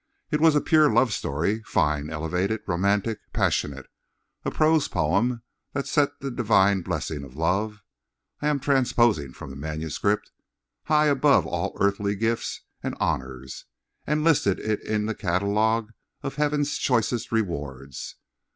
It was a pure love story, fine, elevated, romantic, passionate—a prose poem that set the divine blessing of love (I am transposing from the manuscript) high above all earthly gifts and honours, and listed it in the catalogue of heaven's choicest rewards.